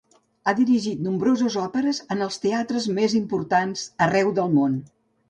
Ha dirigit nombroses òperes en els teatres més importants arreu del món.